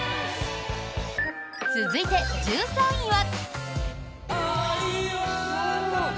続いて、１３位は。